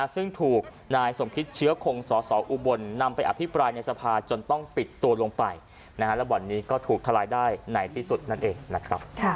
ซึ่งถูกนายสมคิดเชื้อคงสสอุบลนำไปอภิปรายในสภาจนต้องปิดตัวลงไปและบ่อนนี้ก็ถูกทลายได้ในที่สุดนั่นเองนะครับ